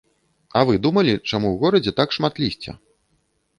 А вы думалі, чаму ў горадзе так шмат лісця?